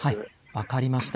分かりました。